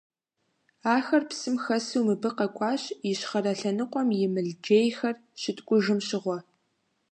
Ахэр псым хэсу мыбы къэкӀуащ, ищхъэрэ лъэныкъуэм и мылджейхэр щыткӀужым щыгъуэ.